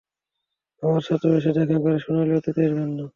আমার সাথেও এসে দেখা করে, সোনালী অতীতের জন্য।